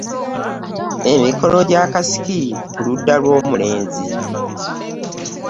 Emikolo gy’akasiki ku ludda lw’omulenzi.